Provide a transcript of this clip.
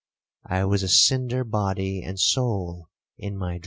—I was a cinder body and soul in my dream.